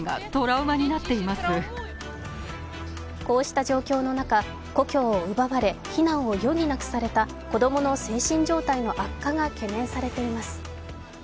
こうした状況の中故郷を奪われ避難を余儀なくされた子供の精神状態の悪化が懸念されています。